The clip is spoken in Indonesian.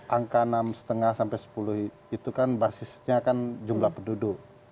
angka enam lima sampai sepuluh itu kan basisnya kan jumlah penduduk